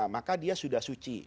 maka dia sudah suci